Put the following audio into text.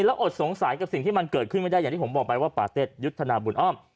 แล้วอดสงสัยกับสิ่งที่มันเกิดขึ้นไม่ได้อย่างที่ผมบอกไปว่าปาเต็ดยุทธนาบุญอ้อม